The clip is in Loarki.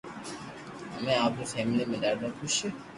امي آپري فيملي مي ڌاڌو خوݾ